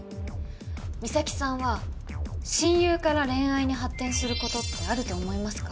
美咲さんは親友から恋愛に発展することってあると思いますか？